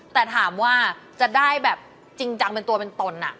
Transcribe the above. แต่ถามว่าจะได้แบบจริงจังเป็นตัวเป็นตน